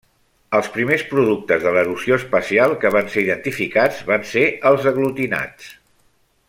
Els primers productes de l'erosió espacial que van ser identificats van ser els aglutinats.